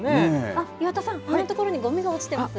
あっ、岩田さん、こんな所にごみが落ちてます。